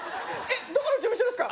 どこの事務所ですか？